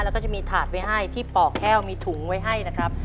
แล้วก็จะมีถาดไว้ให้ที่ปอกแห้วมีถุงไว้ให้นะครับ